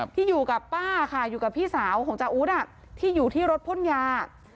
ที่อยู่กับป้าค่ะอยู่กับพี่สาวของจาอู๊ดที่อยู่ที่รถพ่นยา